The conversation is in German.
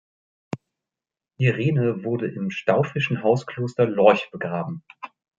Irene wurde im staufischen Hauskloster Lorch begraben.